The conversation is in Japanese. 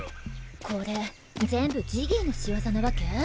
これ全部ジギーの仕業なわけ？